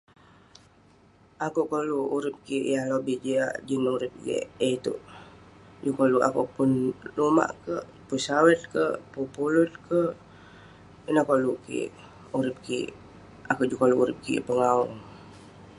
ake'uk koluk urip kik yah lobih jiak jin urip yah iteuk juk koluk ake'uk pun lumak kerk pun sawit kerk pun pulut kerk ineh koluk kik urip kik ake'uk juk koluk urip kik pengau